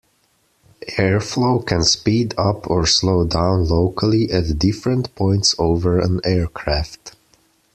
Airflow can speed up or slow down locally at different points over an aircraft.